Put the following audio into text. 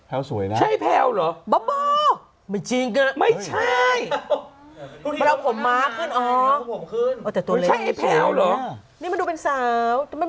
แผ่วสวยหน้าใช่ไหมล่ะไม่ใช่ไหมดำ